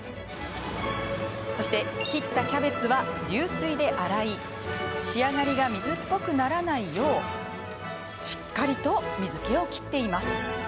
切ったキャベツは流水で洗い仕上がりが水っぽくならないようしっかりと水けを切っています。